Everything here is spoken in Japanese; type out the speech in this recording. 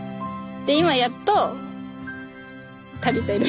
で今やっと足りてる。